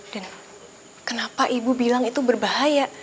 dan kenapa ibu bilang itu berbahaya